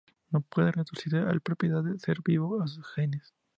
No puede reducirse las propiedad de un ser vivo a sus genes.